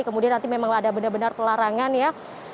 kemudian nanti memang ada benar benar pelarangan ya